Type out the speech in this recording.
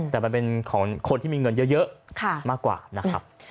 แต่มันเป็นของคนที่มีเงินเยอะมากกว่านะครับ